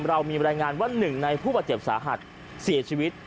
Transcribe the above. เรามีบรรยายงานว่าหนึ่งในผู้บาดเจ็บสาหัสเสียชีวิต